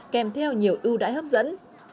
kèm theo nhiều ưu đãi hấp dẫn